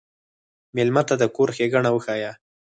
مېلمه ته د کور ښيګڼه وښیه.